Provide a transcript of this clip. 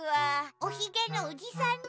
おひげのおじさんね。